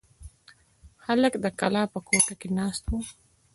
هلک د کلا په کوټه کې ناست و.